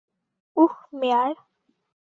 উহ, মেয়ার!